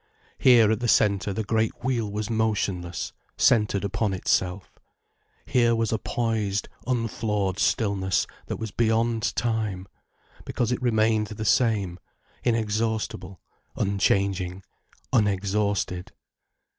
Here at the centre the great wheel was motionless, centred upon itself. Here was a poised, unflawed stillness that was beyond time, because it remained the same, inexhaustible, unchanging, unexhausted.